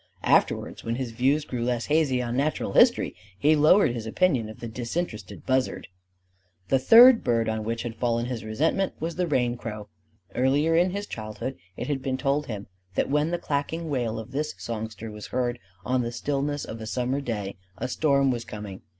Afterwards, when his views grew less hazy on natural history, he lowered his opinion of the disinterested buzzard. The third bird on which had fallen his resentment was the rain crow: earlier in his childhood it had been told him that when the clacking wail of this songster was heard on the stillness of a summer day, a storm was coming.